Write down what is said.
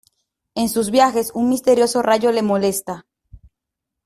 En sus viajes un misterioso rayo les molesta.